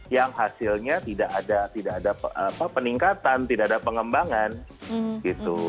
yang hasilnya tidak ada peningkatan tidak ada pengembangan gitu